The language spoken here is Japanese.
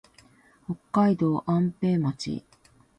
北海道安平町